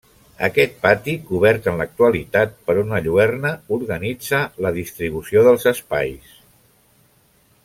Aquest pati, cobert en l'actualitat per una lluerna organitza la distribució dels espais.